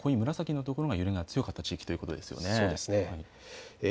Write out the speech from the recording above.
紫のところが揺れが強かった地域ということですね。